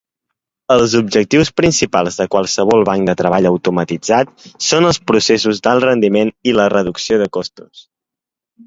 Els objectius principals de qualsevol banc de treball automatitzat són els processos d'alt rendiment i la reducció de costos.